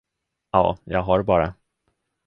Ja, jag har bara.